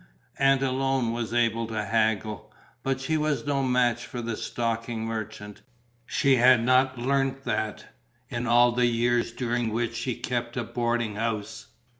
Aunt alone was able to haggle. But she was no match for the stocking merchant. She had not learnt that, in all the years during which she kept a boarding house.